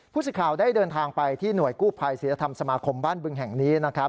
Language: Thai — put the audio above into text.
สิทธิ์ข่าวได้เดินทางไปที่หน่วยกู้ภัยศิลธรรมสมาคมบ้านบึงแห่งนี้นะครับ